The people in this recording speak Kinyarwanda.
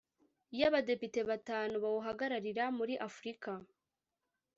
yAbadepite batanu bawuhagararira muri africa